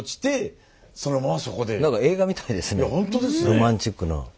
ロマンチックな。